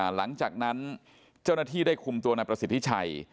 หลังจากนั้นเจ้าหน้าที่ได้คุมตัวนายประสิทธิชัย